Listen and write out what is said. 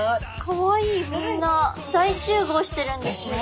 かわいいみんな大集合してるんですね。